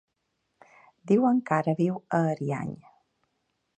Diuen que ara viu a Ariany.